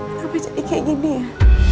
aku sudah jelasin ke mereka